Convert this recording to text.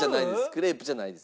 クレープじゃないの？